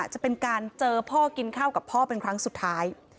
จะเป็นการเจอพ่อกินข้าวกับพ่อเป็นครั้งสุดท้าย